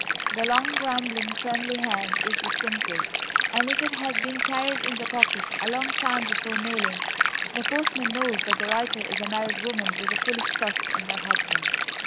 The long, rambling, friendly hand is distinctive, and if it has been carried in the pocket a long time before mailing, the postman knows that the writer is a married woman with a foolish trust in her husband.